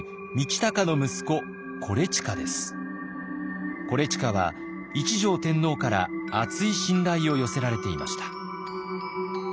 伊周は一条天皇から厚い信頼を寄せられていました。